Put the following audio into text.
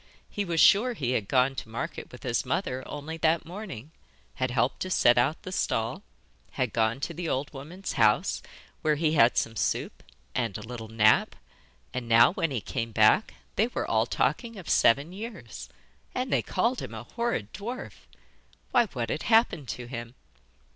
He was sure he had gone to market with his mother only that morning, had helped to set out the stall, had gone to the old woman's house, where he had some soup and a little nap, and now, when he came back, they were all talking of seven years. And they called him a horrid dwarf! Why, what had happened to him?